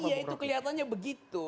iya itu kelihatannya begitu